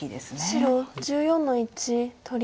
白１４の一取り。